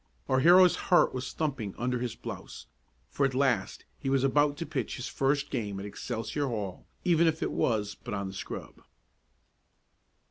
Our hero's heart was thumping under his blouse, for at last he was about to pitch his first game at Excelsior Hall, even if it was but on the scrub.